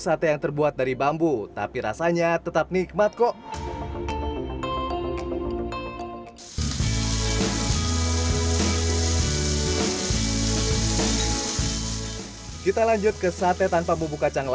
sate yang terbuat dari bambu tapi rasanya tetap nikmat kok kita lanjut ke sate tanpa bumbu kacang